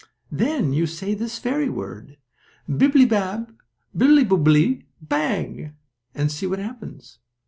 "Then you say this fairy word: Bibbilybab bilyboobily bag,' and see what happens.